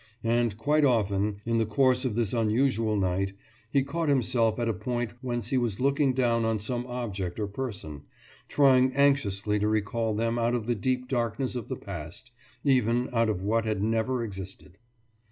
And quite often, in the course of this unusual night, he caught himself at a point whence he was looking down on some object or person, trying anxiously to recall them out of the deep darkness of the past, even out of what had never existed.